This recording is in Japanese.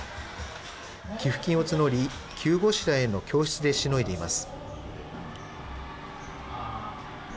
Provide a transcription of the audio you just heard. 寄付金を募り、急ごしらえの教室でしのいでいます。